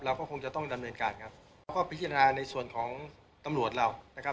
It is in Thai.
เราก็คงจะต้องดำเนินการครับแล้วก็พิจารณาในส่วนของตำรวจเรานะครับ